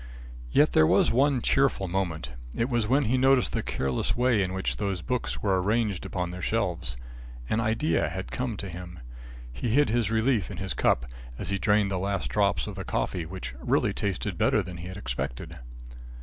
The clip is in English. Yet there was one cheerful moment. It was when he noticed the careless way in which those books were arranged upon their shelves. An idea had come to him. He hid his relief in his cup, as he drained the last drops of the coffee which really tasted better than he had expected.